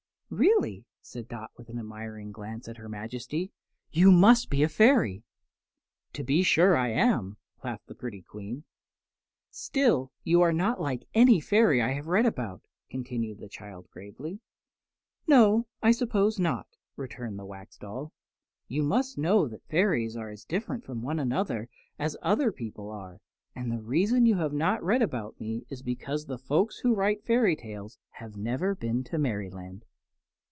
"Really," said Dot with an admiring glance at her Majesty, "you must be a fairy." "To be sure I am!" laughed the pretty Queen. "Still, you are not like any fairy I have read about," continued the child, gravely. "No, I suppose not," returned the Wax Doll. "You must know that fairies are as different from one another as other people are, and the reason you have not read about me is because the folk who write fairy tales have never been to Merryland."